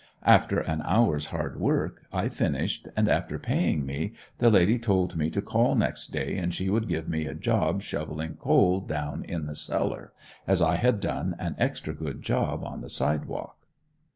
After an hour's hard work I finished, and, after paying me, the lady told me to call next day and she would give me a job shoveling coal down in the cellar, as I had done an extra good job on the sidewalk.